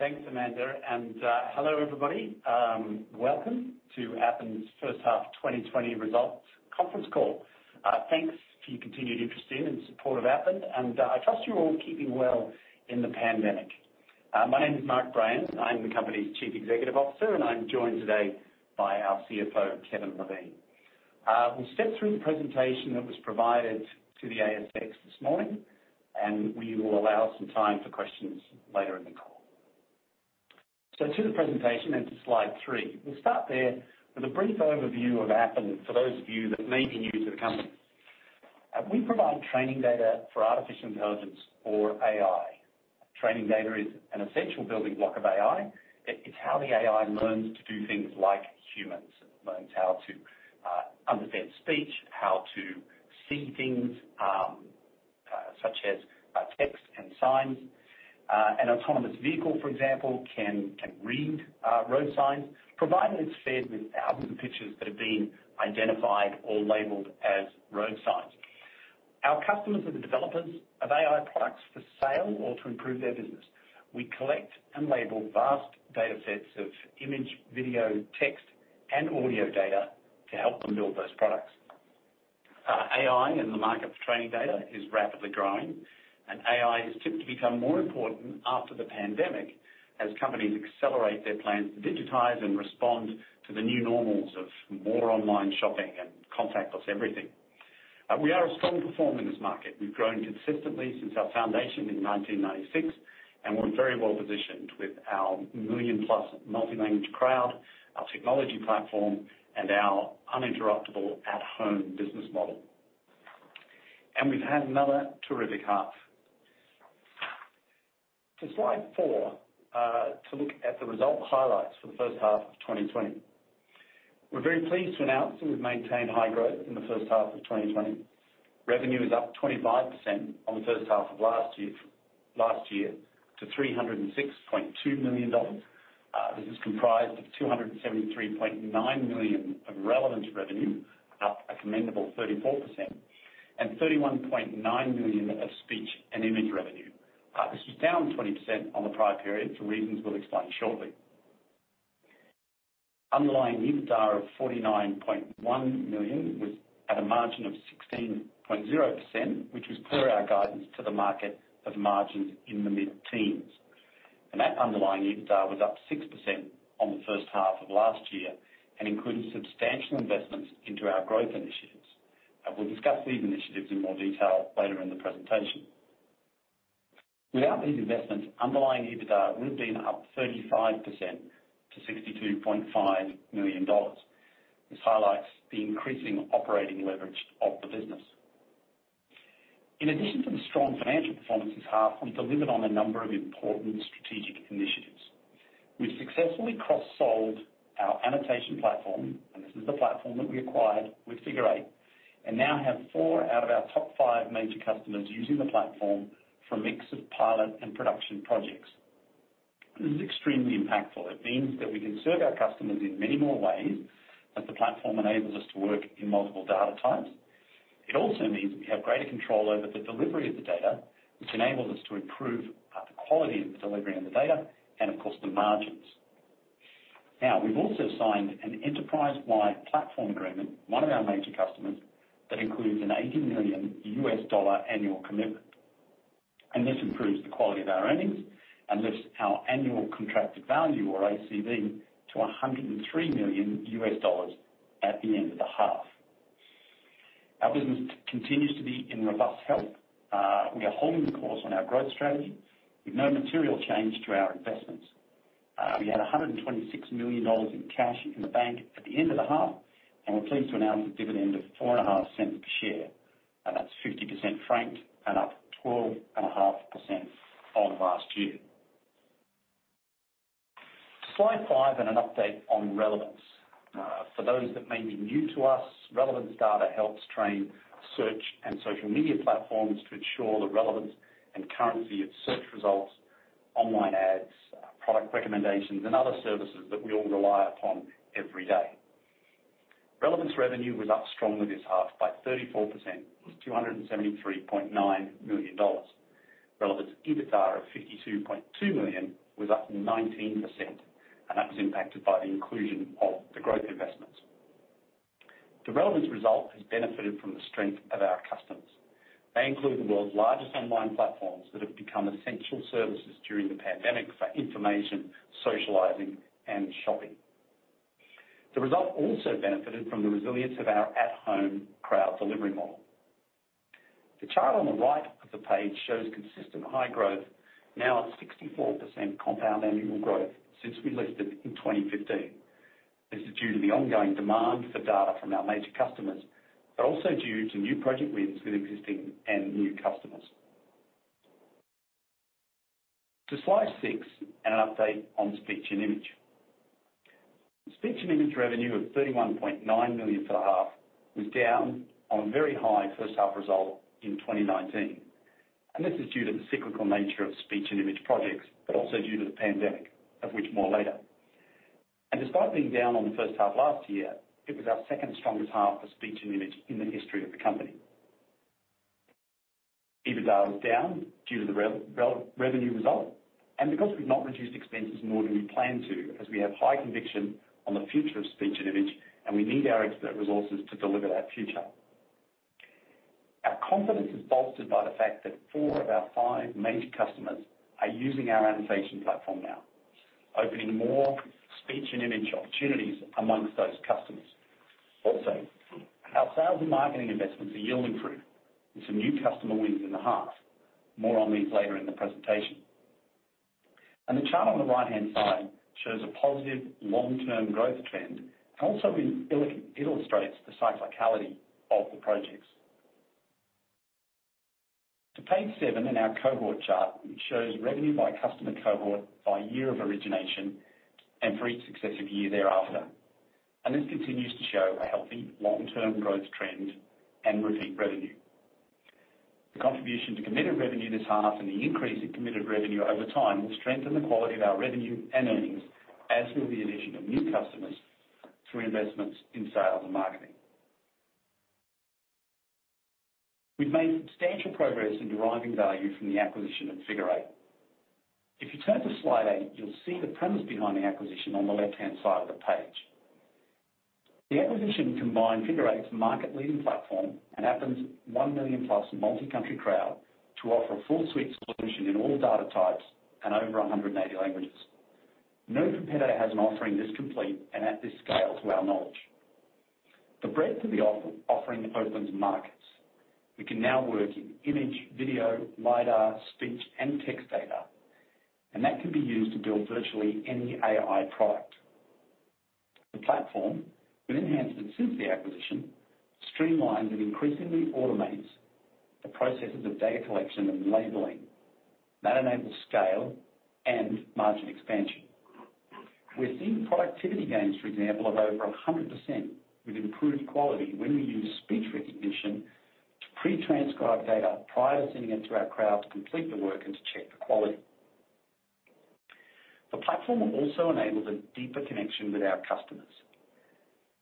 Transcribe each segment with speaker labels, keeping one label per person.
Speaker 1: Thanks, Amanda. Hello, everybody. Welcome to Appen's first half 2020 results conference call. Thanks for your continued interest in and support of Appen. I trust you're all keeping well in the pandemic. My name is Mark Brayan. I'm the company's Chief Executive Officer, and I'm joined today by our CFO, Kevin Levine. We'll step through the presentation that was provided to the ASX this morning. We will allow some time for questions later in the call. To the presentation and to slide three. We'll start there with a brief overview of Appen for those of you that may be new to the company. We provide training data for artificial intelligence or AI. Training data is an essential building block of AI. It's how the AI learns to do things like humans. It learns how to understand speech, how to see things, such as text and signs. An autonomous vehicle, for example, can read road signs, provided it's fed with thousands of pictures that have been identified or labeled as road signs. Our customers are the developers of AI products for sale or to improve their business. We collect and label vast datasets of image, video, text, and audio data to help them build those products. AI is tipped to become more important after the pandemic as companies accelerate their plans to digitize and respond to the new normals of more online shopping and contactless everything. We are a strong performer in this market. We've grown consistently since our foundation in 1996, we're very well positioned with our million-plus multi-language crowd, our technology platform, and our uninterruptible at-home business model. We've had another terrific half. To slide four, to look at the result highlights for the first half of 2020. We're very pleased to announce that we've maintained high growth in the first half of 2020. Revenue is up 25% on the first half of last year to 306.2 million dollars. This is comprised of 273.9 million of relevance revenue, up a commendable 34%, and 31.9 million of speech and image revenue. This was down 20% on the prior period for reasons we'll explain shortly. Underlying EBITDA of 49.1 million was at a margin of 16.0%, which was per our guidance to the market of margins in the mid-teens. That underlying EBITDA was up 6% on the first half of last year and included substantial investments into our growth initiatives. We'll discuss these initiatives in more detail later in the presentation. Without these investments, underlying EBITDA would have been up 35% to 62.5 million dollars. This highlights the increasing operating leverage of the business. In addition to the strong financial performance this half, we've delivered on a number of important strategic initiatives. We've successfully cross-sold our annotation platform, and this is the platform that we acquired with Figure Eight, and now have four out of our top five major customers using the platform for a mix of pilot and production projects. This is extremely impactful. It means that we can serve our customers in many more ways, as the platform enables us to work in multiple data types. It also means we have greater control over the delivery of the data, which enables us to improve the quality of the delivery and the data and, of course, the margins. We've also signed an enterprise-wide platform agreement, one of our major customers, that includes an $80 million U.S. annual commitment. This improves the quality of our earnings and lifts our annual contracted value, or ACV, to $103 million at the end of the half. Our business continues to be in robust health. We are holding the course on our growth strategy with no material change to our investments. We had 126 million dollars in cash in the bank at the end of the half, and we're pleased to announce a dividend of 0.045 per share. That's 50% franked and up 12.5% on last year. Slide five and an update on relevance. For those that may be new to us, relevance data helps train search and social media platforms to ensure the relevance and currency of search results, online ads, product recommendations, and other services that we all rely upon every day. Relevance revenue was up strongly this half by 34%. It was 273.9 million dollars. Relevance EBITDA of 52.2 million was up 19%. That was impacted by the inclusion of the growth investments. The relevance result has benefited from the strength of our customers. They include the world's largest online platforms that have become essential services during the pandemic for information, socializing, and shopping. The result also benefited from the resilience of our at-home crowd delivery model. The chart on the right of the page shows consistent high growth, now at 64% compound annual growth since we listed in 2015. This is due to the ongoing demand for data from our major customers, also due to new project wins with existing and new customers. To slide six and an update on speech and image. Speech and image revenue of 31.9 million for the half was down on a very high first half result in 2019. This is due to the cyclical nature of speech and image projects, but also due to the pandemic, of which more later. Despite being down on the first half last year, it was our second strongest half for speech and image in the history of the company. EBITDA was down due to the revenue result and because we've not reduced expenses more than we planned to, as we have high conviction on the future of speech and image, and we need our expert resources to deliver that future. Our confidence is bolstered by the fact that four of our five major customers are using our annotation platform now, opening more speech and image opportunities amongst those customers. Our sales and marketing investments are yielding fruit with some new customer wins in the half. More on these later in the presentation. The chart on the right-hand side shows a positive long-term growth trend and also it illustrates the cyclicality of the projects. To page seven in our cohort chart, which shows revenue by customer cohort by year of origination and for each successive year thereafter. This continues to show a healthy long-term growth trend and repeat revenue. The contribution to committed revenue this half and the increase in committed revenue over time will strengthen the quality of our revenue and earnings, as will the addition of new customers through investments in sales and marketing. We've made substantial progress in deriving value from the acquisition of Figure Eight. If you turn to slide eight, you'll see the premise behind the acquisition on the left-hand side of the page. The acquisition combined Figure Eight's market-leading platform and Appen's 1,000,000+ multi-country crowd to offer a full suite solution in all data types and over 180 languages. No competitor has an offering this complete and at this scale to our knowledge. The breadth of the offering opens markets. We can now work in image, video, LiDAR, speech, and text data, and that can be used to build virtually any AI product. The platform, with enhancements since the acquisition, streamlines and increasingly automates the processes of data collection and labeling. That enables scale and margin expansion. We're seeing productivity gains, for example, of over 100% with improved quality when we use speech recognition to pre-transcribe data prior to sending it to our crowd to complete the work and to check the quality. The platform also enables a deeper connection with our customers.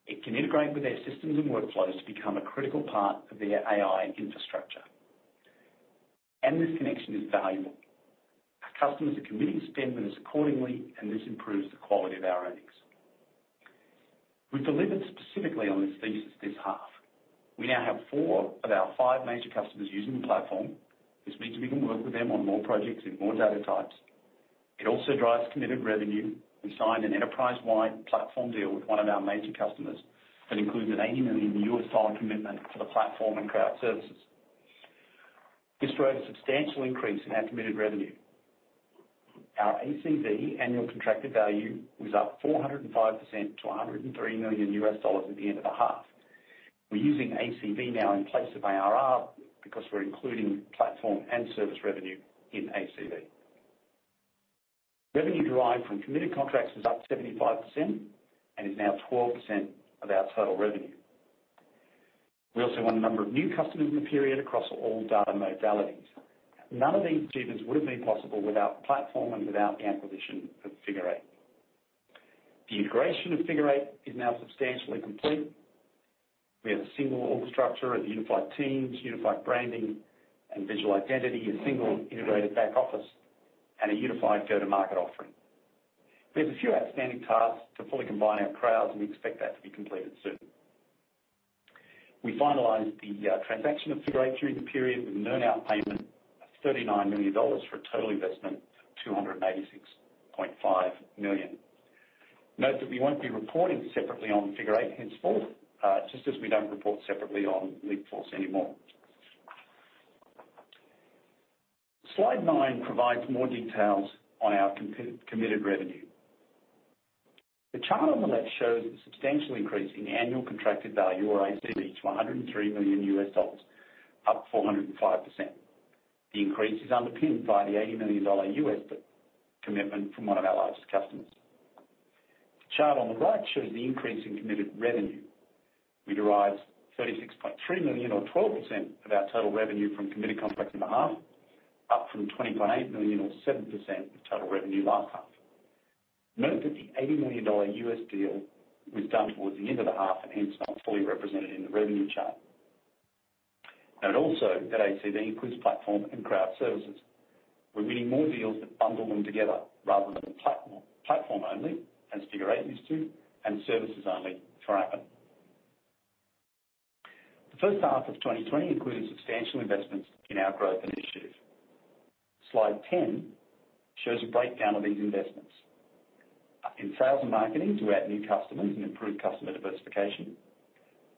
Speaker 1: It can integrate with their systems and workflows to become a critical part of their AI infrastructure. This connection is valuable. Our customers are committing spend with us accordingly, and this improves the quality of our earnings. We've delivered specifically on this thesis this half. We now have four of our five major customers using the platform. This means we can work with them on more projects in more data types. It also drives committed revenue. We signed an enterprise-wide platform deal with one of our major customers that includes an $80 million commitment to the platform and crowd services. This drove a substantial increase in our committed revenue. Our ACV, annual contracted value, was up 405% to $103 million at the end of the half. We're using ACV now in place of ARR because we're including platform and service revenue in ACV. Revenue derived from committed contracts was up 75% and is now 12% of our total revenue. We also won a number of new customers in the period across all data modalities. None of these achievements would have been possible without the platform and without the acquisition of Figure Eight. The integration of Figure Eight is now substantially complete. We have a single org structure and unified teams, unified branding and visual identity, a single integrated back office, and a unified go-to-market offering. We have a few outstanding tasks to fully combine our crowds, and we expect that to be completed soon. We finalized the transaction of Figure Eight during the period with an earn-out payment of 39 million dollars for a total investment of 286.5 million. Note that we won't be reporting separately on Figure Eight henceforth, just as we don't report separately on Leapforce anymore. Slide nine provides more details on our committed revenue. The chart on the left shows a substantial increase in annual contracted value or ACV to $103 million, up 405%. The increase is underpinned by the $80 million commitment from one of our largest customers. The chart on the right shows the increase in committed revenue. We derived 36.3 million or 12% of our total revenue from committed contracts in the half, up from 20.8 million or 7% of total revenue last half. Note that the $80 million U.S. deal was done towards the end of the half and hence not fully represented in the revenue chart. Note also that ACV includes platform and crowd services. We're winning more deals that bundle them together rather than platform only, as Figure Eight used to, and services only for Appen. The first half of 2020 included substantial investments in our growth initiative. Slide 10 shows a breakdown of these investments. In sales and marketing to add new customers and improve customer diversification.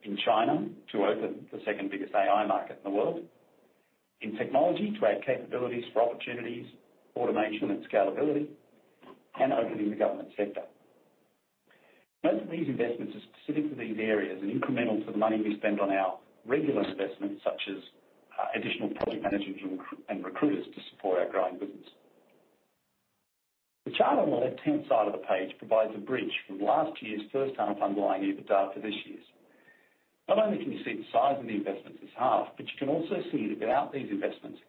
Speaker 1: In China to open the second biggest AI market in the world. In technology to add capabilities for opportunities, automation, and scalability. Opening the government sector. Most of these investments are specific to these areas and incremental to the money we spend on our regular investments, such as additional project managers and recruiters to support our growing business. The chart on the left-hand side of the page provides a bridge from last year's first half underlying EBITDA to this year's. Not only can you see the size of the investments this half, but you can also see that without these investments,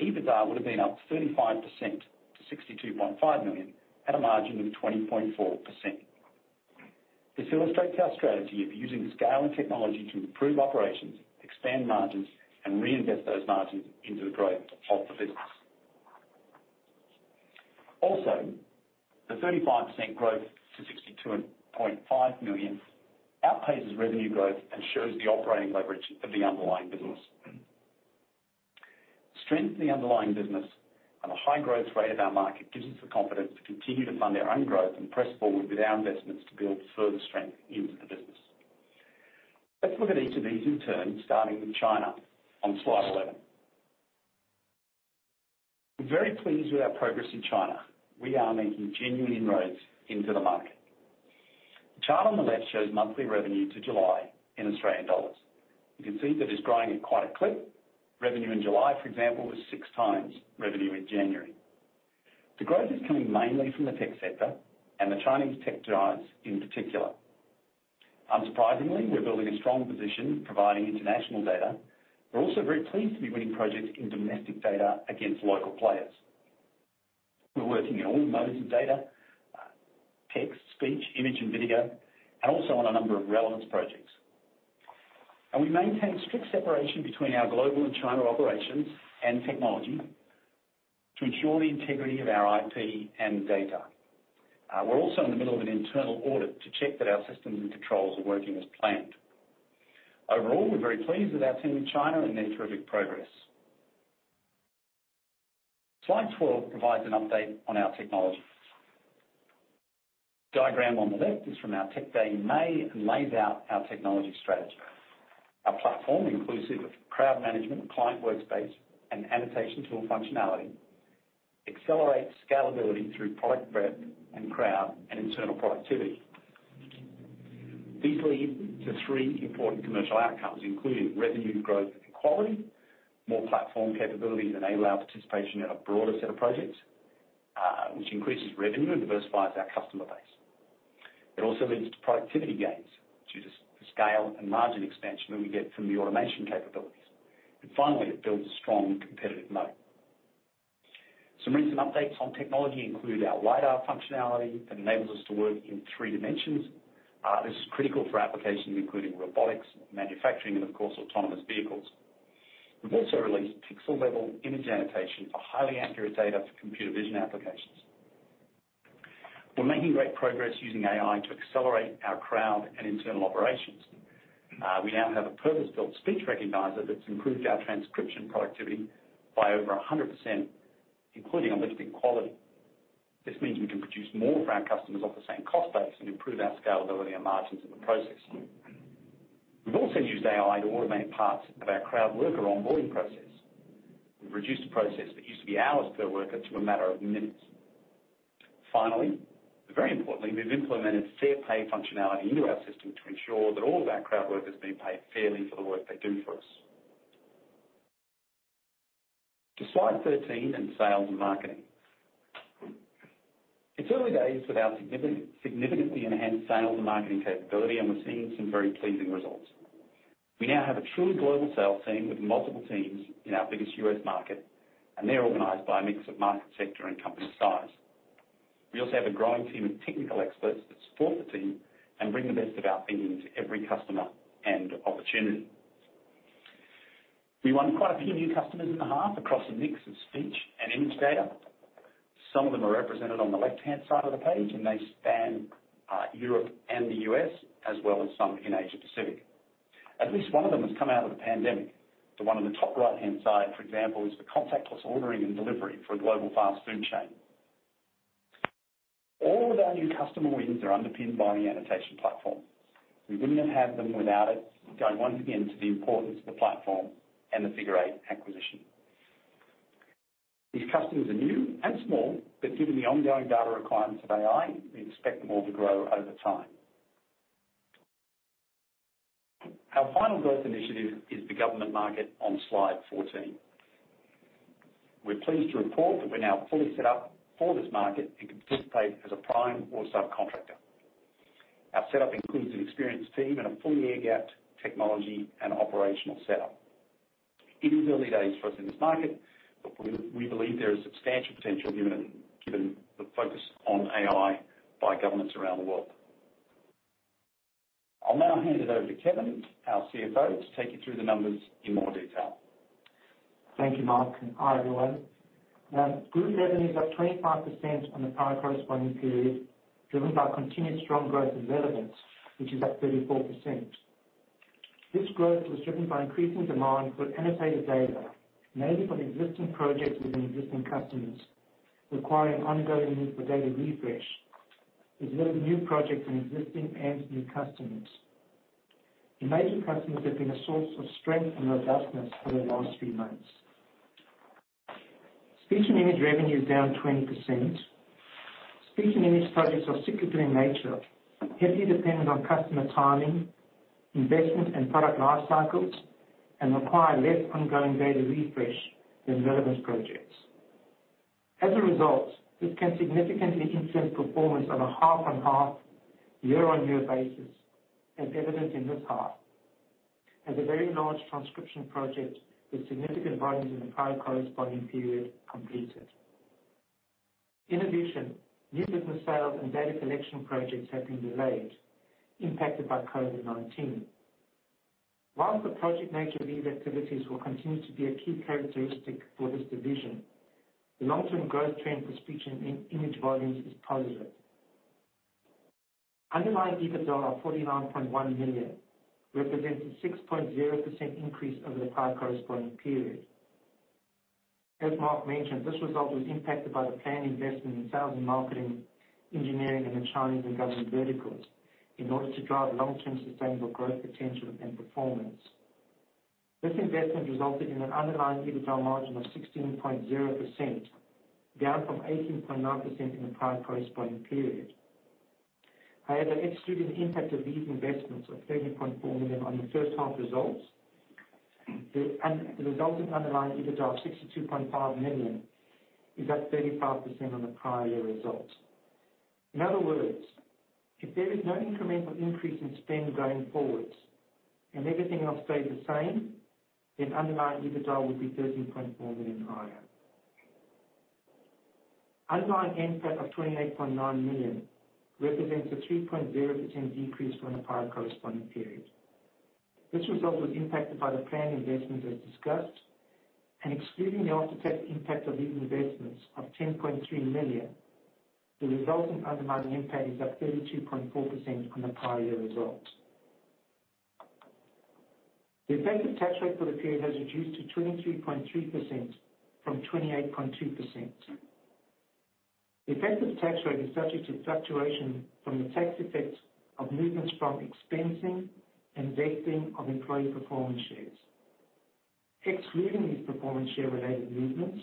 Speaker 1: EBITDA would have been up 35% to 62.5 million at a margin of 20.4%. This illustrates our strategy of using scale and technology to improve operations, expand margins, and reinvest those margins into the growth of the business. The 35% growth to 62.5 million outpaces revenue growth and shows the operating leverage of the underlying business. The strength of the underlying business and the high growth rate of our market gives us the confidence to continue to fund our own growth and press forward with our investments to build further strength into the business. Let's look at each of these in turn, starting with China on slide 11. We're very pleased with our progress in China. We are making genuine inroads into the market. The chart on the left shows monthly revenue to July in Australian dollars. You can see that it's growing at quite a clip. Revenue in July, for example, was six times revenue in January. The growth is coming mainly from the tech sector and the Chinese tech giants in particular. Unsurprisingly, we're building a strong position providing international data. We're also very pleased to be winning projects in domestic data against local players. We're working in all modes of data, text, speech, image, and video, and also on a number of relevance projects. We maintain strict separation between our global and China operations and technology to ensure the integrity of our IP and data. We're also in the middle of an internal audit to check that our systems and controls are working as planned. Overall, we're very pleased with our team in China and their terrific progress. Slide 12 provides an update on our technology. The diagram on the left is from our tech day in May and lays out our technology strategy. Our platform, inclusive of crowd management, client workspace, and annotation tool functionality, accelerates scalability through product breadth and crowd and internal productivity. These lead to three important commercial outcomes, including revenue growth and quality. More platform capabilities enable our participation in a broader set of projects, which increases revenue and diversifies our customer base. It also leads to productivity gains due to the scale and margin expansion that we get from the automation capabilities. Finally, it builds a strong competitive moat. Some recent updates on technology include our LiDAR functionality that enables us to work in three dimensions. This is critical for applications including robotics, manufacturing, and of course, autonomous vehicles. We've also released pixel-level image annotation for highly accurate data for computer vision applications. We're making great progress using AI to accelerate our crowd and internal operations. We now have a purpose-built speech recognizer that's improved our transcription productivity by over 100%, including on lifting quality. This means we can produce more for our customers off the same cost base and improve our scalability and margins in the process. We've also used AI to automate parts of our crowd worker onboarding process. We've reduced a process that used to be hours per worker to a matter of minutes. Finally, but very importantly, we've implemented fair pay functionality into our system to ensure that all of our crowd workers are being paid fairly for the work they do for us. To slide 13, in sales and marketing. It's early days with our significantly enhanced sales and marketing capability, and we're seeing some very pleasing results. We now have a truly global sales team with multiple teams in our biggest U.S. market, and they're organized by a mix of market sector and company size. We also have a growing team of technical experts that support the team and bring the best of our thinking to every customer and opportunity. We won quite a few new customers in the half across a mix of speech and image data. Some of them are represented on the left-hand side of the page, and they span Europe and the U.S. as well as some in Asia Pacific. At least one of them has come out of the pandemic. The one on the top right-hand side, for example, is for contactless ordering and delivery for a global fast food chain. All of our new customer wins are underpinned by the annotation platform. We wouldn't have had them without it, going once again to the importance of the platform and the Figure Eight acquisition. These customers are new and small, but given the ongoing data requirements of AI, we expect them all to grow over time. Our final growth initiative is the government market on slide 14. We're pleased to report that we're now fully set up for this market and can participate as a prime or subcontractor. Our setup includes an experienced team and a fully air-gapped technology and operational setup. It is early days for us in this market, but we believe there is substantial potential given the focus on AI by governments around the world. I'll now hand it over to Kevin, our CFO, to take you through the numbers in more detail.
Speaker 2: Thank you, Mark, and hi, everyone. Group revenue is up 25% on the prior corresponding period, driven by continued strong growth in Relevance, which is up 34%. This growth was driven by increasing demand for annotated data, mainly from existing projects within existing customers, requiring ongoing need for data refresh as well as new projects from existing and new customers. The major customers have been a source of strength and robustness for the last few months. Speech and Image revenue is down 20%. Speech and Image projects are cyclical in nature, heavily dependent on customer timing, investment, and product life cycles, and require less ongoing data refresh than Relevance projects. As a result, this can significantly influence performance on a half-on-half, year-on-year basis, as evidenced in this half, as a very large transcription project with significant volumes in the prior corresponding period completed. In addition, new business sales and data collection projects have been delayed, impacted by COVID-19. The project nature of these activities will continue to be a key characteristic for this division, the long-term growth trend for speech and image volumes is positive. Underlying EBITDA of 49.1 million represents a 6.0% increase over the prior corresponding period. As Mark mentioned, this result was impacted by the planned investment in sales and marketing, engineering, and the Chinese and government verticals in order to drive long-term sustainable growth potential and performance. This investment resulted in an underlying EBITDA margin of 16.0%, down from 18.9% in the prior corresponding period. However, excluding the impact of these investments of 13.4 million on the first half results, the resulting underlying EBITDA of 62.5 million is up 35% on the prior year result. In other words, if there is no incremental increase in spend going forwards and everything else stays the same, then underlying EBITDA would be 13.4 million higher. Underlying NPAT of 28.9 million represents a 3.0% decrease from the prior corresponding period. This result was impacted by the planned investments as discussed, and excluding the after-tax impact of these investments of 10.3 million, the resulting underlying NPAT is up 32.4% on the prior year result. The effective tax rate for the period has reduced to 23.3% from 28.2%. The effective tax rate is subject to fluctuation from the tax effects of movements from expensing and vesting of employee performance shares. Excluding these performance share-related movements,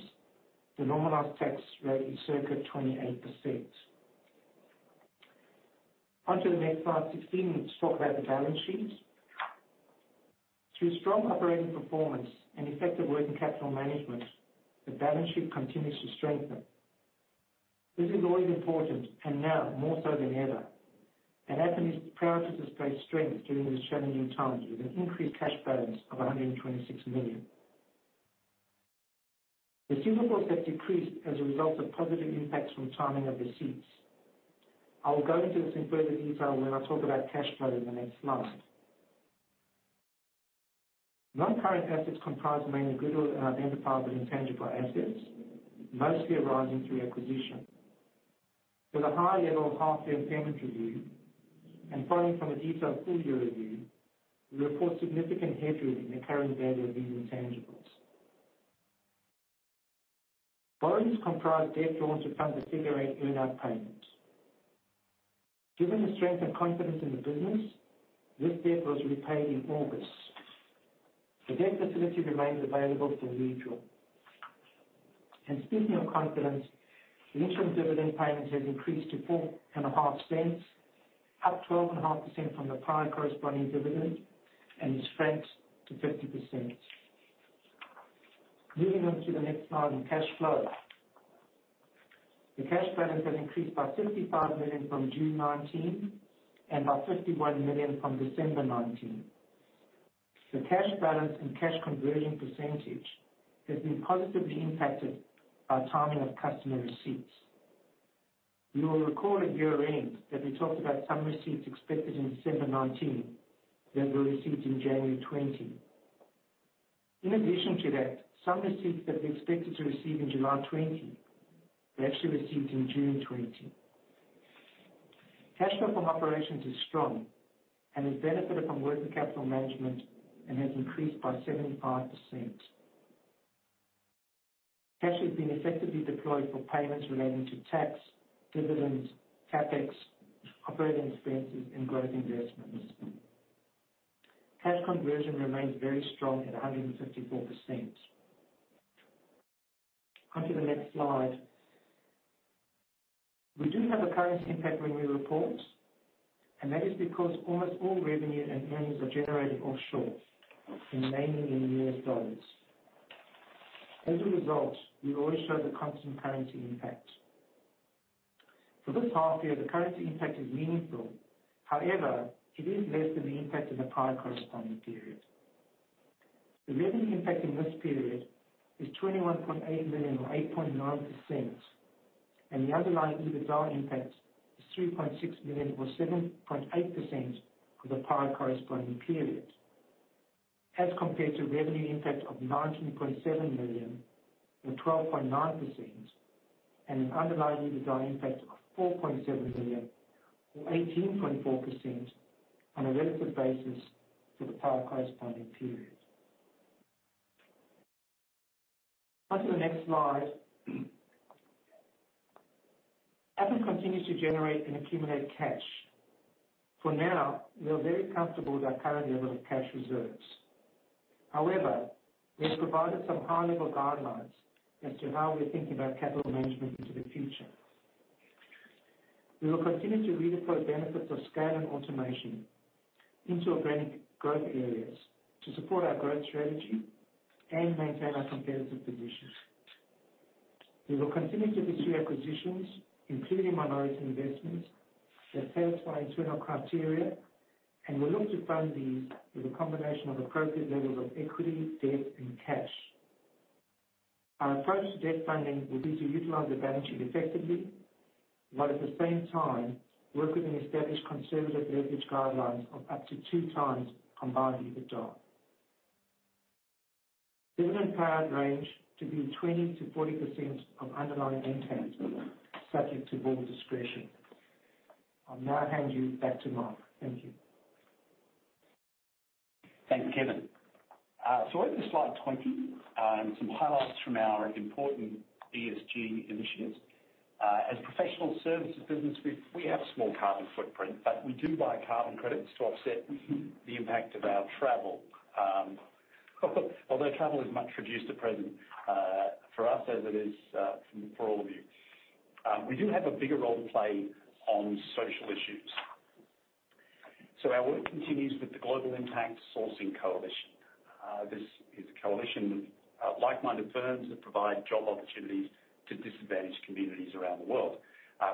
Speaker 2: the normalized tax rate is circa 28%. On to the next slide, 16. Let's talk about the balance sheet. Through strong operating performance and effective working capital management, the balance sheet continues to strengthen. This is always important, now more so than ever. Appen is proud to display strength during these challenging times with an increased cash balance of 126 million. Receivables have decreased as a result of positive impacts from timing of receipts. I will go into this in further detail when I talk about cash flow in the next slide. Non-current assets comprise mainly goodwill and identifiable intangible assets, mostly arising through acquisition. With a high level of half-year impairment review and following from a detailed full-year review, we report significant headroom in the carrying value of these intangibles. Borrowings comprise debt drawn to fund the Figure Eight earn-out payment. Given the strength and confidence in the business, this debt was repaid in August. The debt facility remains available for redraw. Speaking of confidence, the interim dividend payment has increased to 0.045, up 12.5% from the prior corresponding dividend, and is franked to 50%. Moving on to the next slide on cash flow. The cash balance has increased by 55 million from June 2019 and by 51 million from December 2019. The cash balance and cash conversion percentage has been positively impacted by timing of customer receipts. You will recall at year-end that we talked about some receipts expected in December 2019 that were received in January 2020. In addition to that, some receipts that we expected to receive in July 2020 were actually received in June 2020. Cash flow from operations is strong and has benefited from working capital management and has increased by 75%. Cash has been effectively deployed for payments relating to tax, dividends, CapEx, operating expenses, and growth investments. Cash conversion remains very strong at 154%. On to the next slide. We do have a currency impact when we report, and that is because almost all revenue and earnings are generated offshore and mainly in U.S. dollars. As a result, we always show the constant currency impact. For this half year, the currency impact is meaningful. However, it is less than the impact of the prior corresponding period. The revenue impact in this period is 21.8 million or 8.9%, and the underlying EBITDA impact is 3.6 million or 7.8% for the prior corresponding period, as compared to revenue impact of 19.7 million or 12.9% and an underlying EBITDA impact of 4.7 million or 18.4% on a relative basis to the prior corresponding period. On to the next slide. Appen continues to generate and accumulate cash. For now, we are very comfortable with our current level of cash reserves. However, we have provided some high-level guidelines as to how we are thinking about capital management into the future. We will continue to redeploy benefits of scale and automation into organic growth areas to support our growth strategy and maintain our competitive position. We will continue to pursue acquisitions, including minority investments, that satisfy internal criteria. We look to fund these with a combination of appropriate levels of equity, debt, and cash. Our approach to debt funding will be to utilize the balance sheet effectively, while at the same time work within established conservative leverage guidelines of up to 2x combined EBITDA. Dividend payout range to be 20%-40% of underlying maintained EBITDA, subject to board discretion. I'll now hand you back to Mark. Thank you.
Speaker 1: Thanks, Kevin. Over to slide 20, some highlights from our important ESG initiatives. As a professional services business, we have a small carbon footprint, but we do buy carbon credits to offset the impact of our travel. Although travel is much reduced at present for us, as it is for all of you. We do have a bigger role to play on social issues. Our work continues with the Global Impact Sourcing Coalition. This is a coalition of like-minded firms that provide job opportunities to disadvantaged communities around the world.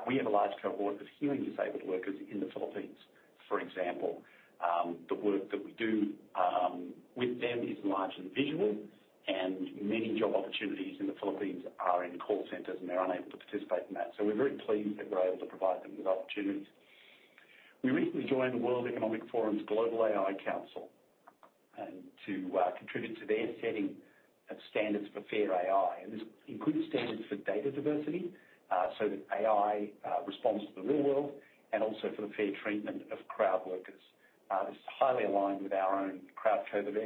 Speaker 1: We have a large cohort of hearing-disabled workers in the Philippines, for example. The work that we do with them is largely visual. Many job opportunities in the Philippines are in call centers, and they're unable to participate in that. We're very pleased that we're able to provide them with opportunities. We recently joined the World Economic Forum's Global AI Council to contribute to their setting of standards for fair AI. This includes standards for data diversity so that AI responds to the real world and also for the fair treatment of crowd workers. This is highly aligned with our own crowd code of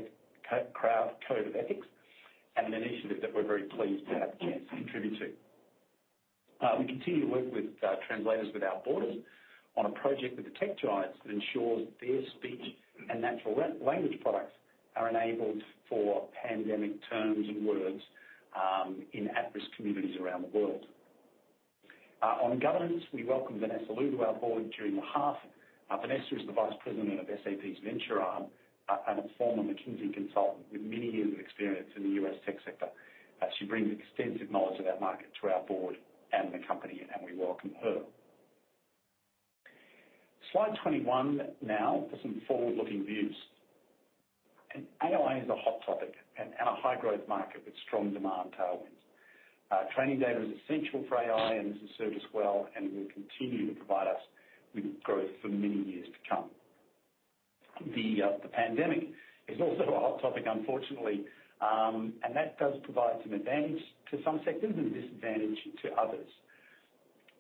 Speaker 1: ethics and an initiative that we're very pleased to have the chance to contribute to. We continue to work with Translators without Borders on a project with the tech giants that ensures their speech and natural language products are enabled for pandemic terms and words in at-risk communities around the world. On governance, we welcome Vanessa Liu to our board during the half. Vanessa is the Vice President of SAP's venture arm and a former McKinsey consultant with many years of experience in the U.S. tech sector. She brings extensive knowledge of that market to our board and the company. We welcome her. Slide 21 now for some forward-looking views. AI is a hot topic and a high-growth market with strong demand tailwinds. Training data is essential for AI and has served us well and will continue to provide us with growth for many years to come. The pandemic is also a hot topic, unfortunately. That does provide some advantage to some sectors and disadvantage to others.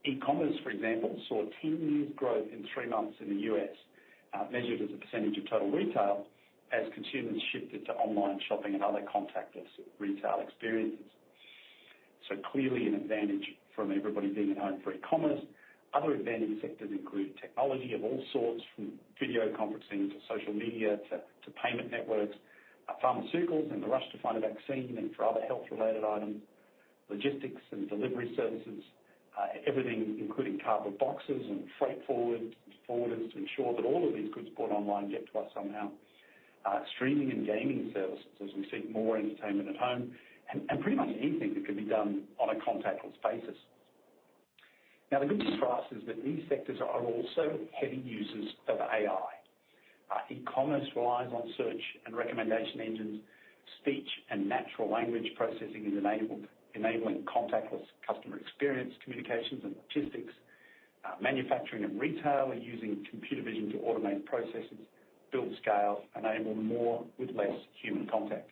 Speaker 1: E-commerce, for example, saw a 10-year growth in three months in the U.S., measured as a percentage of total retail, as consumers shifted to online shopping and other contactless retail experiences. Clearly an advantage from everybody being at home for e-commerce. Other advantage sectors include technology of all sorts, from video conferencing to social media to payment networks. Pharmaceuticals and the rush to find a vaccine and for other health-related items. Logistics and delivery services. Everything including cardboard boxes and freight forwarders to ensure that all of these goods bought online get to us somehow. Streaming and gaming services, as we seek more entertainment at home. Pretty much anything that can be done on a contactless basis. Now, the good news for us is that these sectors are also heavy users of AI. E-commerce relies on search and recommendation engines. Speech and natural language processing is enabling contactless customer experience, communications, and logistics. Manufacturing and retail are using computer vision to automate processes, build scale, enable more with less human contact.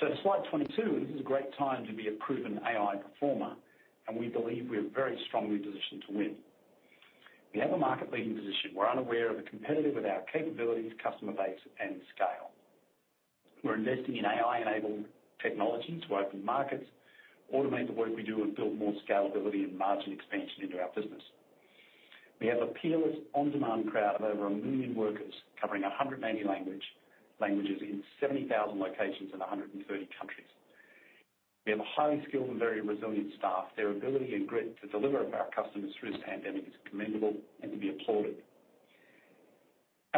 Speaker 1: To slide 22. This is a great time to be a proven AI performer, and we believe we are very strongly positioned to win. We have a market-leading position. We're unaware of a competitor with our capabilities, customer base, and scale. We're investing in AI-enabled technology to open markets, automate the work we do, and build more scalability and margin expansion into our business. We have a peerless on-demand crowd of over 1 million workers covering 180 languages in 70,000 locations in 130 countries. We have a highly skilled and very resilient staff. Their ability and grit to deliver for our customers through this pandemic is commendable and to be applauded.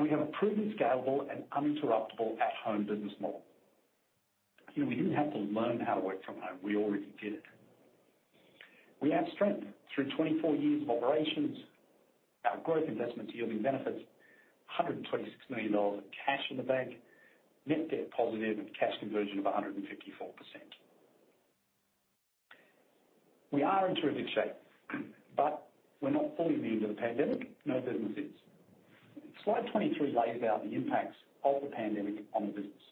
Speaker 1: We have a proven, scalable, and uninterruptible at-home business model. We didn't have to learn how to work from home. We already did it. We have strength through 24 years of operations. Our growth investments yielding benefits. 126 million dollars of cash in the bank. Net debt positive and cash conversion of 154%. We are in terrific shape. We're not fully immune to the pandemic. No business is. Slide 23 lays out the impacts of the pandemic on the business.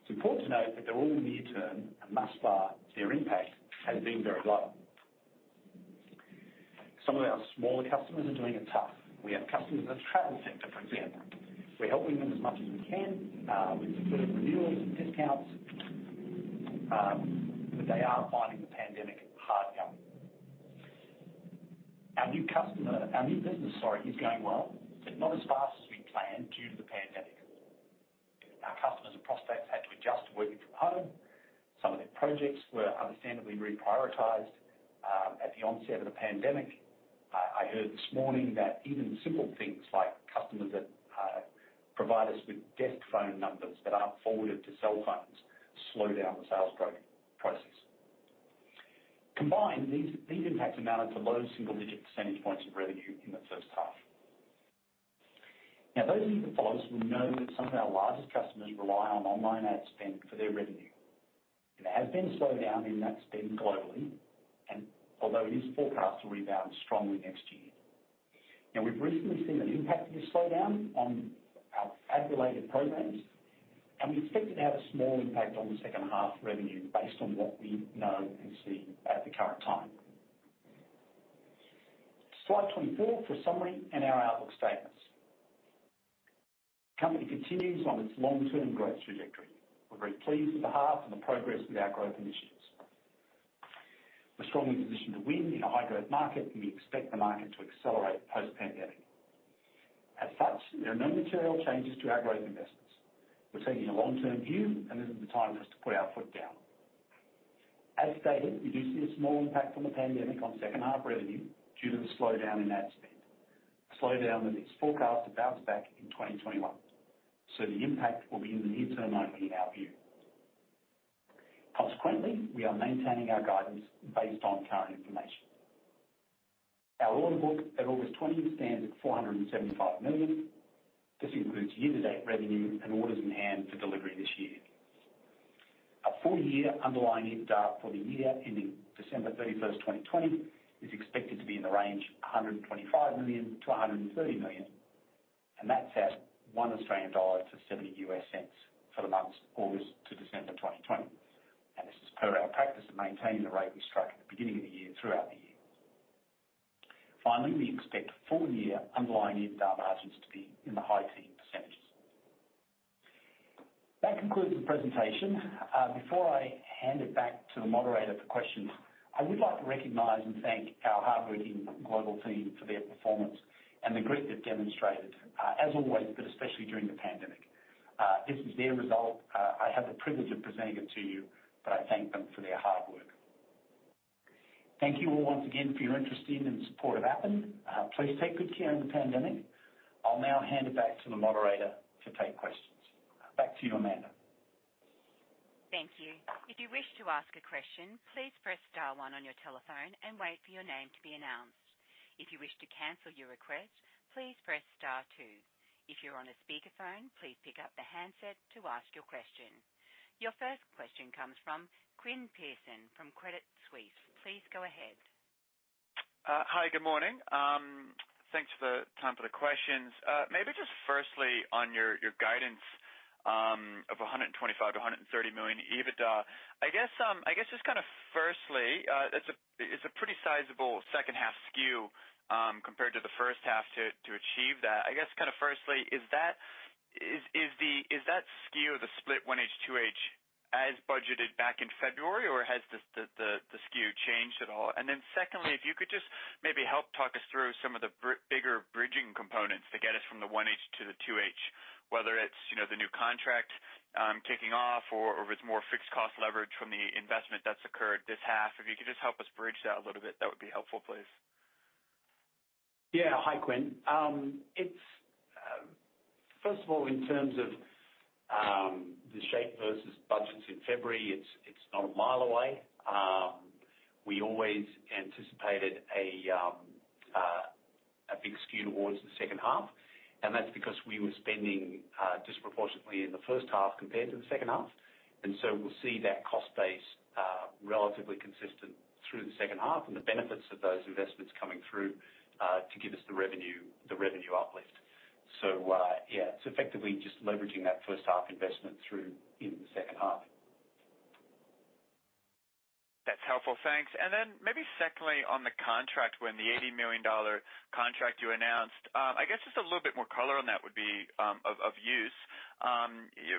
Speaker 1: It's important to note that they're all near term and thus far, their impact has been very low. Some of our smaller customers are doing it tough. We have customers in the travel sector, for example. We're helping them as much as we can with deferred renewals and discounts. They are finding the pandemic hard going. Our new business, sorry, is going well, but not as fast as we planned due to the pandemic. Our customers and prospects had to adjust to working from home. Some of their projects were understandably reprioritized at the onset of the pandemic. I heard this morning that even simple things like customers that provide us with desk phone numbers that aren't forwarded to cell phones slow down the sales process. Combined, these impacts amounted to low single-digit percentage points of revenue in the first half. Those of you that follow us will know that some of our largest customers rely on online ad spend for their revenue. There has been a slowdown in that spend globally, and although it is forecast to rebound strongly next year. We've recently seen an impact of this slowdown on our ad-related programs, and we expect it to have a small impact on the second half revenue based on what we know and see at the current time. Slide 24 for summary and our outlook statements. Company continues on its long-term growth trajectory. We're very pleased with the half and the progress with our growth initiatives. We're strongly positioned to win in a high-growth market, and we expect the market to accelerate post-pandemic. As such, there are no material changes to our growth investments. We're taking a long-term view, and this isn't the time for us to put our foot down. As stated, we do see a small impact from the pandemic on second half revenue due to the slowdown in ad spend. A slowdown that is forecast to bounce back in 2021. The impact will be in the near term only, in our view. Consequently, we are maintaining our guidance based on current information. Our order book at August 20th stands at 475 million. This includes year-to-date revenue and orders in hand for delivery this year. Our full-year underlying EBITDA for the year ending December 31st, 2020, is expected to be in the range of 125 million-130 million. That's at 1 Australian dollar to $0.70 for the months August to December 2020. This is per our practice of maintaining the rate we strike at the beginning of the year throughout the year. Finally, we expect full-year underlying EBITDA margins to be in the high teen percent. That concludes the presentation. Before I hand it back to the moderator for questions, I would like to recognize and thank our hardworking global team for their performance and the grit they've demonstrated, as always, but especially during the pandemic. This is their result. I have the privilege of presenting it to you, but I thank them for their hard work. Thank you all once again for your interest in and support of Appen. Please take good care in the pandemic. I'll now hand it back to the moderator to take questions. Back to you, Amanda.
Speaker 3: Thank you. If you wish to ask a question, please press star one on your telephone and wait for your name to be announced. If you wish to cancel your request, please press star two. If you're on a speakerphone, please pick up the handset to ask your question. Your first question comes from Quinn Pierson from Credit Suisse. Please go ahead.
Speaker 4: Hi. Good morning. Thanks for the time for the questions. Maybe just firstly, on your guidance of 125 million-130 million EBITDA. I guess just kind of firstly, it's a pretty sizable second half skew compared to the first half to achieve that. I guess kind of firstly, is that skew, the split 1H, 2H, as budgeted back in February, or has the skew changed at all? Secondly, if you could just maybe help talk us through some of the bigger bridging components that get us from the 1H to the 2H, whether it's the new contract kicking off or if it's more fixed cost leverage from the investment that's occurred this half. If you could just help us bridge that a little bit, that would be helpful, please.
Speaker 1: Yeah. Hi, Quinn. First of all, in terms of the shape versus budgets in February, it's not a mile away. We always anticipated a big skew towards the second half, and that's because we were spending disproportionately in the first half compared to the second half. We'll see that cost base relatively consistent through the second half and the benefits of those investments coming through to give us the revenue uplift. Yeah, it's effectively just leveraging that first half investment through in the second half.
Speaker 4: That's helpful. Thanks. Maybe secondly, on the contract, the $80 million contract you announced, I guess just a little bit more color on that would be of use.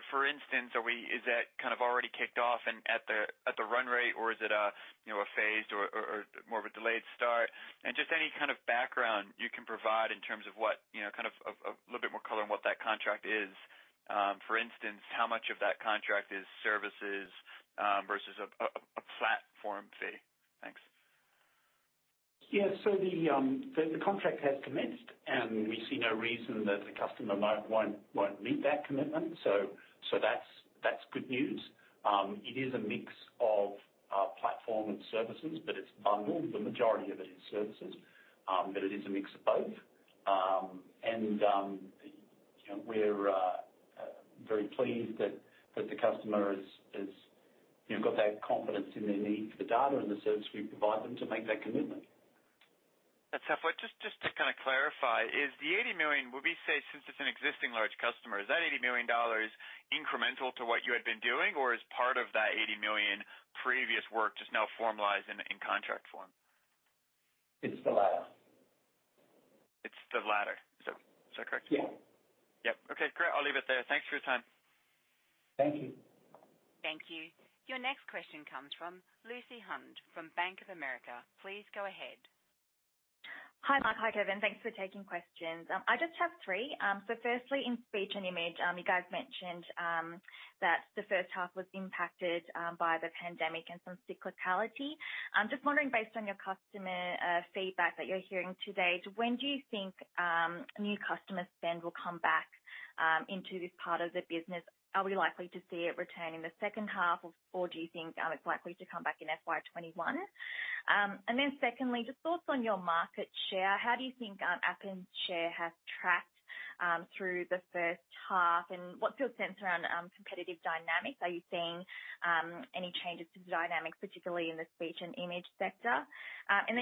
Speaker 4: For instance, is that kind of already kicked off and at the run rate or is it a phased or more of a delayed start? Just any kind of background you can provide in terms of a little bit more color on what that contract is. For instance, how much of that contract is services versus a platform fee? Thanks.
Speaker 1: Yeah. The contract has commenced, and we see no reason that the customer won't meet that commitment. That's good news. It is a mix of platform and services, but it's bundled. The majority of it is services. It is a mix of both. We're very pleased that the customer has got that confidence in their need for the data and the service we provide them to make that commitment.
Speaker 4: That's helpful. Just to kind of clarify, is the $80 million, would we say, since it's an existing large customer, is that $80 million incremental to what you had been doing or is part of that $80 million previous work just now formalized in contract form?
Speaker 1: It's the latter.
Speaker 4: It's the latter. Is that correct?
Speaker 1: Yeah.
Speaker 4: Yep. Okay, great. I'll leave it there. Thanks for your time.
Speaker 1: Thank you.
Speaker 3: Thank you. Your next question comes from Lucy Huang from Bank of America. Please go ahead.
Speaker 5: Hi, Mark. Hi, Kevin. Thanks for taking questions. I just have three. Firstly, in speech and image, you guys mentioned that the first half was impacted by the pandemic and some cyclicality. I'm just wondering, based on your customer feedback that you're hearing to date, when do you think new customer spend will come back into this part of the business? Are we likely to see it return in the second half? Do you think it's likely to come back in FY 2021? Secondly, just thoughts on your market share. How do you think Appen's share has tracked through the first half and what's your sense around competitive dynamics? Are you seeing any changes to the dynamics, particularly in the speech and image sector?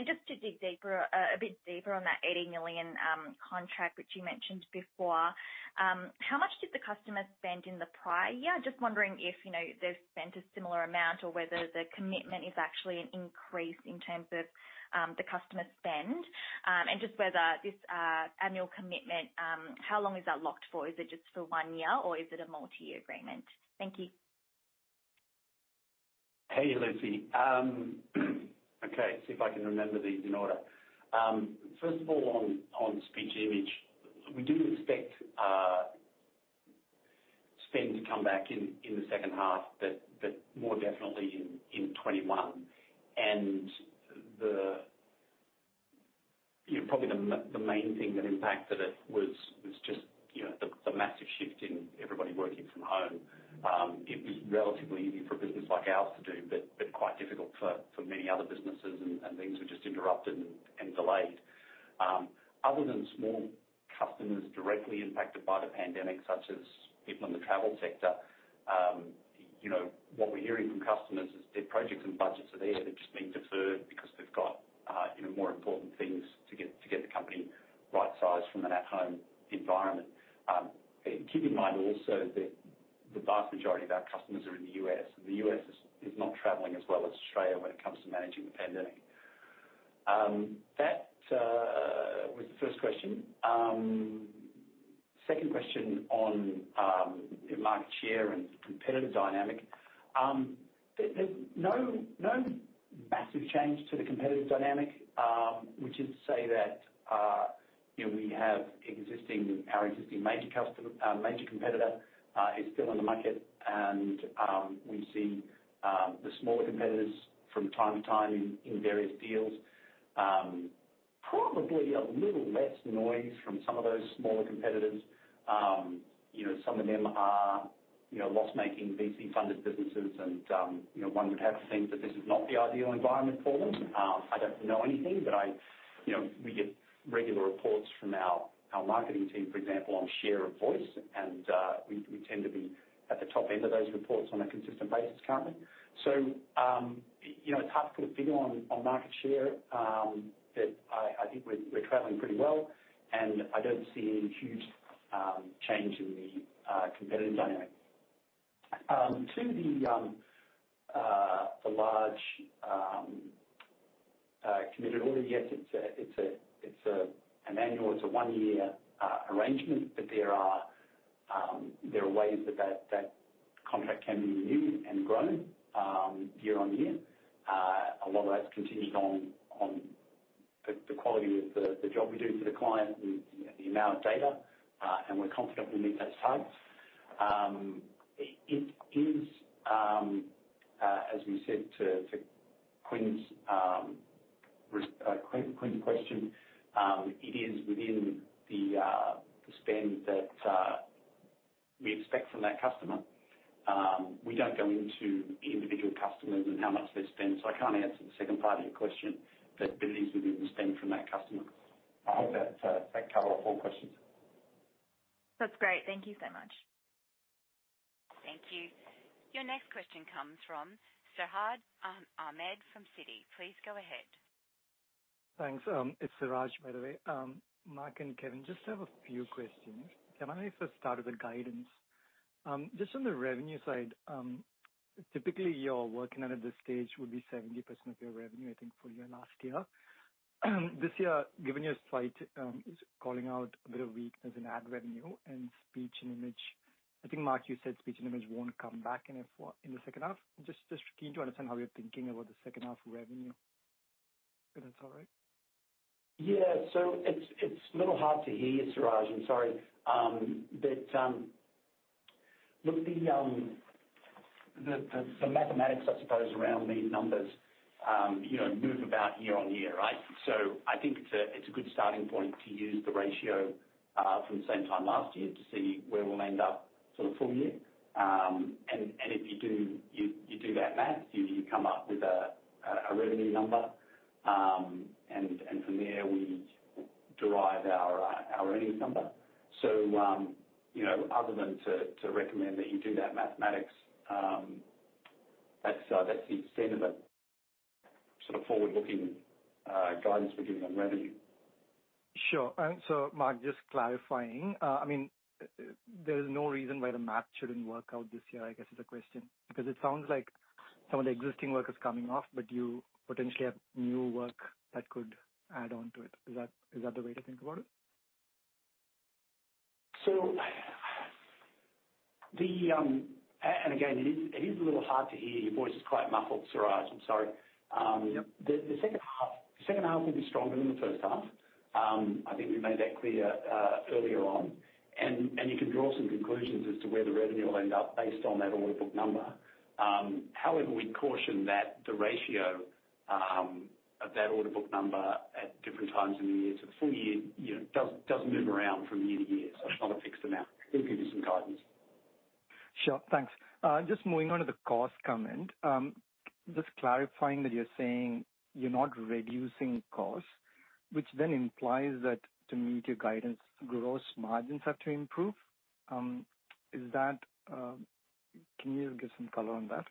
Speaker 5: Just to dig a bit deeper on that $80 million contract, which you mentioned before, how much did the customer spend in the prior year? Just wondering if they've spent a similar amount or whether the commitment is actually an increase in terms of the customer spend. Just whether this annual commitment, how long is that locked for? Is it just for one year or is it a multi-year agreement? Thank you.
Speaker 1: Hey, Lucy. Okay, see if I can remember these in order. First of all, on speech image, we do expect spend to come back in the second half, more definitely in 2021. Probably the main thing that impacted it was just the massive shift in everybody working from home. It was relatively easy for a business like ours to do, quite difficult for many other businesses, things were just interrupted and delayed. Other than small customers directly impacted by the pandemic, such as people in the travel sector, what we're hearing from customers is their projects and budgets are there. They're just being deferred because they've got more important things to get the company right-sized from an at-home environment. Keep in mind also that the vast majority of our customers are in the U.S., and the U.S. is not traveling as well as Australia when it comes to managing the pandemic. That was the first question. Second question on market share and competitive dynamic. There's no massive change to the competitive dynamic. Which is to say that our existing major competitor is still in the market and we see the smaller competitors from time to time in various deals. Probably a little less noise from some of those smaller competitors. Some of them are loss-making, VC-funded businesses, and one would have to think that this is not the ideal environment for them. I don't know anything, but we get regular reports from our marketing team, for example, on share of voice, and we tend to be at the top end of those reports on a consistent basis currently. It's hard to put a finger on market share, but I think we're traveling pretty well, and I don't see any huge change in the competitive dynamic. To the large committed order, yes, it's an annual, it's a one-year arrangement, but there are ways that that contract can be renewed and grown year on year. A lot of that continues on the quality of the job we do for the client and the amount of data, and we're confident we'll meet those targets. It is, as we said to Quinn's question, it is within the spend that we expect from that customer. We don't go into individual customers and how much they spend, I can't answer the second part of your question. It is within the spend from that customer. I hope that covered all four questions.
Speaker 5: That's great. Thank you so much.
Speaker 3: Thank you. Your next question comes from Siraj Ahmed from Citi. Please go ahead.
Speaker 6: Thanks. It's Siraj, by the way. Mark and Kevin, just have a few questions. Can I first start with the guidance? Just on the revenue side, typically, your working at this stage would be 70% of your revenue, I think, for your last year. This year, given your slight, is calling out a bit of weakness in ad revenue and speech and image. I think, Mark, you said speech and image won't come back in the second half. Just keen to understand how you're thinking about the second half revenue. If that's all right.
Speaker 1: Yeah. It's a little hard to hear you, Siraj, I'm sorry. Look, the mathematics, I suppose, around these numbers move about year-on-year, right? I think it's a good starting point to use the ratio from the same time last year to see where we'll end up for the full year. If you do that math, you come up with a revenue number, and from there, we derive our earnings number. Other than to recommend that you do that mathematics, that's the extent of it, sort of forward-looking guidance we're giving on revenue.
Speaker 6: Sure. Mark, just clarifying, there is no reason why the math shouldn't work out this year, I guess, is the question. It sounds like some of the existing work is coming off, but you potentially have new work that could add on to it. Is that the way to think about it?
Speaker 1: And again, it is a little hard to hear. Your voice is quite muffled, Siraj. I'm sorry.
Speaker 6: Yep.
Speaker 1: The second half will be stronger than the first half. I think we made that clear earlier on. You can draw conclusions as to where the revenue will end up based on that order book number. We caution that the ratio of that order book number at different times in the year to the full year does move around from year to year. It's not a fixed amount. Hope that gives you some guidance.
Speaker 6: Sure. Thanks. Just moving on to the cost comment. Just clarifying that you're saying you're not reducing costs, which then implies that to meet your guidance, gross margins have to improve. Can you give some color on that?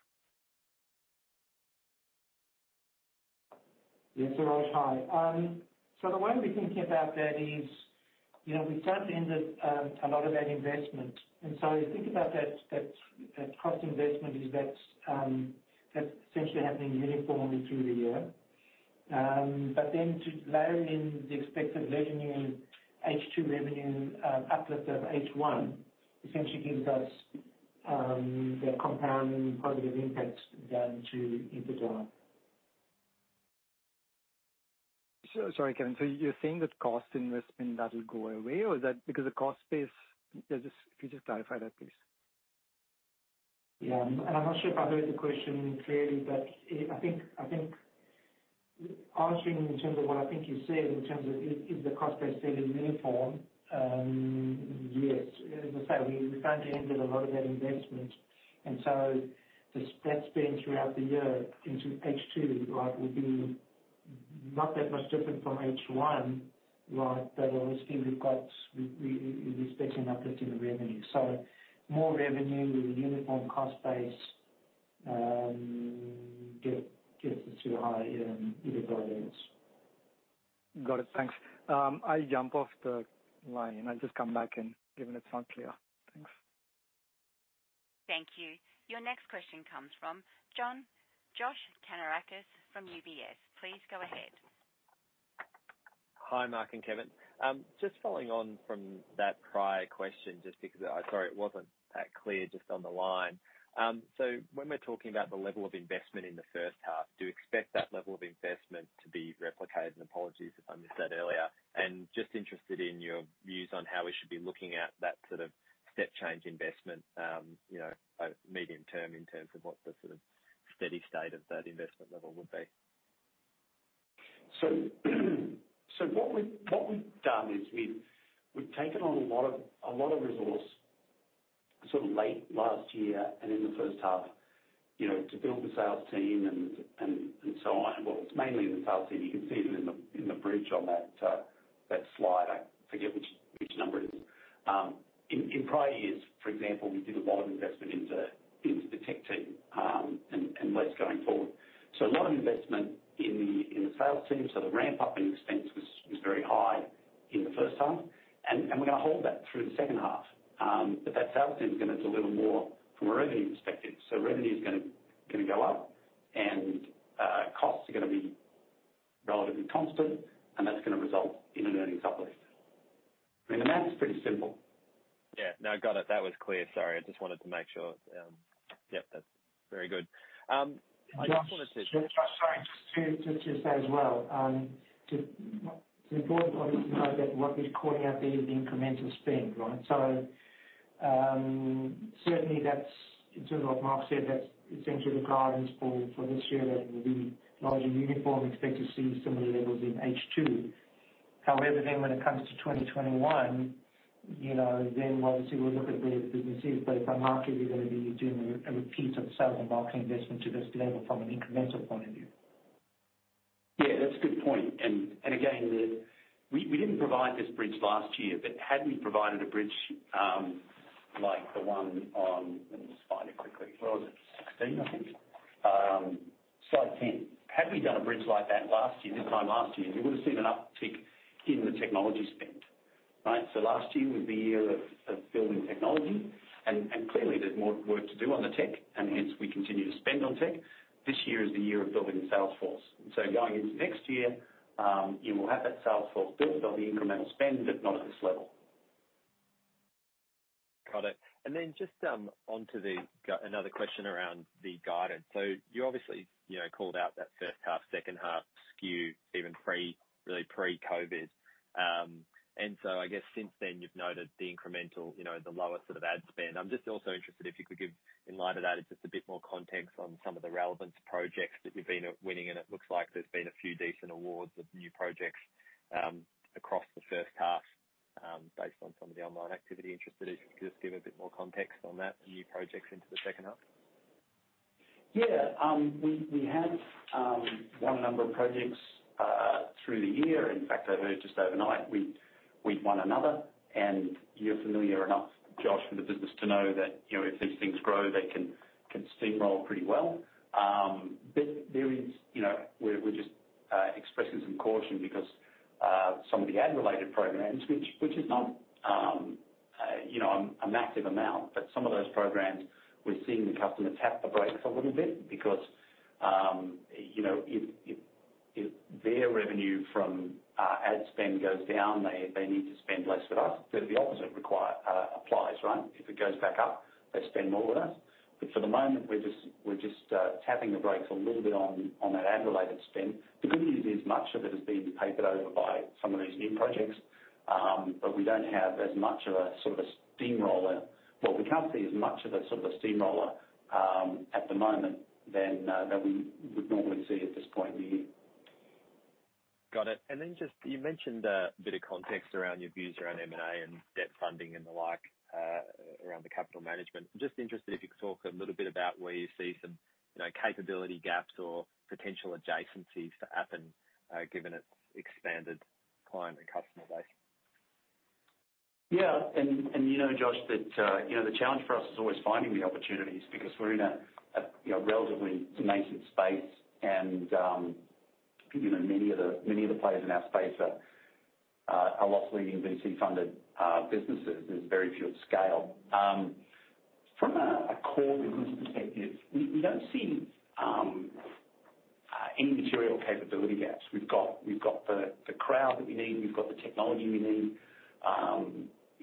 Speaker 2: Yes, Siraj. Hi. The way we're thinking about that is, we start to end a lot of that investment. Think about that cost investment is that's essentially happening uniformly through the year. To layer in the expected revenue H2 revenue uplift of H1, essentially gives us the compounding positive impact then to EBITDA.
Speaker 6: Sorry, Kevin. You're saying that cost investment that will go away or is that because the cost base? If you just clarify that, please.
Speaker 2: Yeah. I'm not sure if I heard the question clearly, but I think answering in terms of what I think you said in terms of is the cost base staying uniform, yes. As I say, we're starting to end a lot of that investment, and so that's been throughout the year into H2, right, would be not that much different from H1, right? Obviously, we're expecting an uplift in the revenue. More revenue, uniform cost base, gets us to a higher EBITDA levels.
Speaker 6: Got it. Thanks. I jump off the line, and I'll just come back in given it's not clear. Thanks.
Speaker 3: Thank you. Your next question comes from Josh Kannourakis from UBS. Please go ahead.
Speaker 7: Hi, Mark and Kevin. Just following on from that prior question, just because I'm sorry it wasn't that clear just on the line. When we're talking about the level of investment in the first half, do you expect that level of investment to be replicated? Apologies if I missed that earlier. Just interested in your views on how we should be looking at that sort of step change investment, medium term in terms of what the sort of steady state of that investment level would be.
Speaker 1: What we've done is we've taken on a lot of resource sort of late last year and in the first half, to build the sales team and so on. It's mainly in the sales team. You can see it in the bridge on that slide. I forget which number it is. In prior years, for example, we did a lot of investment into the tech team, and less going forward. A lot of investment in the sales team. The ramp-up in expense was very high in the first half, and we're going to hold that through the second half. That sales team is going to deliver more from a revenue perspective. Revenue is going to go up and costs are going to be relatively constant, and that's going to result in an earnings uplift. I mean, the math is pretty simple.
Speaker 7: Yeah. Got it. That was clear. Sorry, I just wanted to make sure. Yep, that's very good.
Speaker 2: Josh, sorry, just to say as well. It's important for people to note that what we're calling out there is incremental spend, right? Certainly that's, in terms of what Mark said, that's essentially the guidance for this year. That it will be largely uniform, expect to see similar levels in H2. When it comes to 2021, obviously we'll look at where the business is. If I'm Mark, we're going to be doing a repeat of the sales and marketing investment to this level from an incremental point of view.
Speaker 1: Yeah, that's a good point. Again, we didn't provide this bridge last year, but had we provided a bridge, like the one on Let me just find it quickly. Where was it? 16, I think. Slide 10. Had we done a bridge like that last year, this time last year, you would have seen an uptick in the technology spend. Right? Last year was the year of building technology, and clearly there's more work to do on the tech, and hence we continue to spend on tech. This year is the year of building the sales force. Going into next year, you will have that sales force built. There'll be incremental spend, but not at this level.
Speaker 7: Got it. Just onto another question around the guidance. You obviously called out that first half, second half skew even really pre-COVID. I guess since then you've noted the incremental, the lower sort of ad spend. I'm just also interested if you could give, in light of that, just a bit more context on some of the relevance projects that you've been winning, and it looks like there's been a few decent awards of new projects across the first half, based on some of the online activity. Interested if you could just give a bit more context on that, the new projects into the second half?
Speaker 1: Yeah. We have won a number of projects through the year. In fact, just overnight we won another, and you're familiar enough, Josh, with the business to know that if these things grow, they can steamroll pretty well. We're just expressing some caution because some of the ad-related programs, which is not a massive amount, but some of those programs, we're seeing the customer tap the brakes a little bit because if their revenue from ad spend goes down, they need to spend less with us. The opposite applies, right? If it goes back up, they spend more with us. For the moment, we're just tapping the brakes a little bit on that ad-related spend. The good news is much of it is being papered over by some of these new projects. We don't have as much of a steamroller. Well, we can't see as much of a steamroller at the moment than we would normally see at this point in the year.
Speaker 7: Got it. Just you mentioned a bit of context around your views around M&A and debt funding and the like around the capital management. I'm just interested if you could talk a little bit about where you see some capability gaps or potential adjacencies for Appen, given its expanded client and customer base.
Speaker 1: You know, Josh, that the challenge for us is always finding the opportunities because we're in a relatively nascent space and many of the players in our space are loss-leading, VC-funded businesses. There's very few at scale. From a core business perspective, we don't see any material capability gaps. We've got the crowd that we need. We've got the technology we need.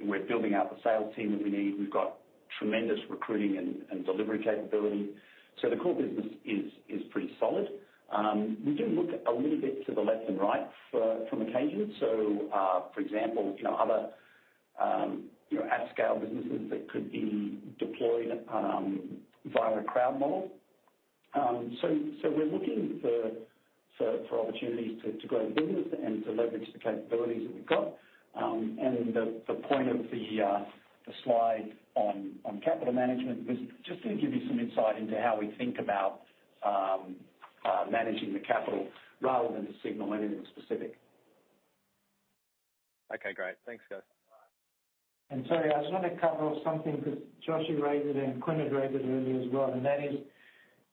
Speaker 1: We're building out the sales team that we need. We've got tremendous recruiting and delivery capability. The core business is pretty solid. We do look a little bit to the left and right on occasion. For example, other at-scale businesses that could be deployed via a crowd model. We're looking for opportunities to go do business and to leverage the capabilities that we've got. The point of the slide on capital management was just to give you some insight into how we think about managing the capital rather than to signal anything specific.
Speaker 7: Okay, great. Thanks, guys.
Speaker 2: Sorry, I just want to cover something because Josh, you raised it and Quinn had raised it earlier as well, and that is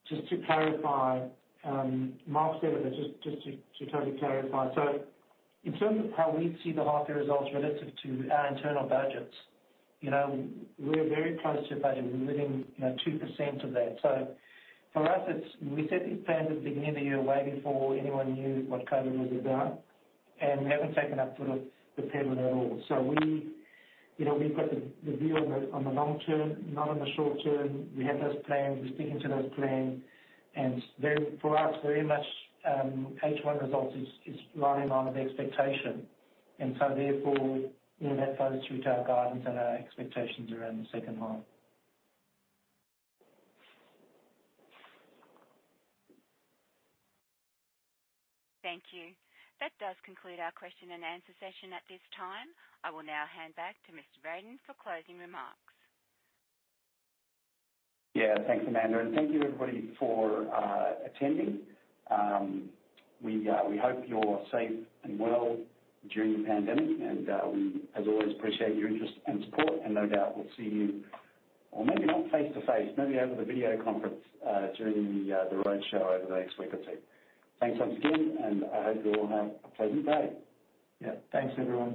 Speaker 2: just to clarify. Mark said it, just to totally clarify. In terms of how we see the half year results relative to our internal budgets, we're very close to budget. We're within 2% of that. For us, we set these plans at the beginning of the year way before anyone knew what COVID was about, and we haven't taken our foot off the pedal at all. We've got the view on the long term, not on the short term. We have those plans. We're sticking to those plans. For us, very much, H1 results is right in line with expectation. Therefore, that flows through to our guidance and our expectations around the second half.
Speaker 3: Thank you. That does conclude our question and answer session at this time. I will now hand back to Mr. Brayan for closing remarks.
Speaker 1: Yeah. Thanks, Amanda. Thank you everybody for attending. We hope you're safe and well during the pandemic and we as always appreciate your interest and support. No doubt we'll see you, or maybe not face to face, maybe over the video conference, during the roadshow over the next week or two. Thanks once again. I hope you all have a pleasant day.
Speaker 2: Yeah. Thanks, everyone.